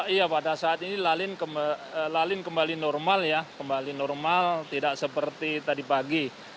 iya pada saat ini lalin kembali normal ya kembali normal tidak seperti tadi pagi